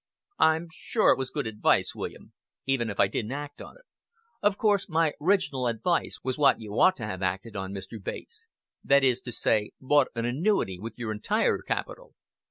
"I'm sure it was good advice, William even if I didn't act on it." "Of course my orig'nal advice was what you ought to have acted on, Mr. Bates. That is to say, bought an annuity with your entire capital."